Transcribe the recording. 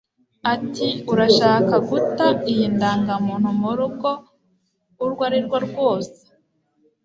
ati urashaka guta iyi ndangamuntu murugo urwo arirwo rwose